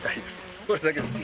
それだけですね。